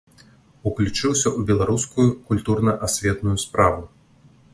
Уключыўся ў беларускую культурна-асветную справу.